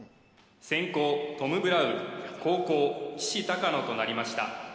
先攻トム・ブラウン後攻きしたかのとなりました